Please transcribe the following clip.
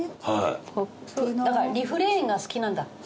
だからリフレインが好きなんだ。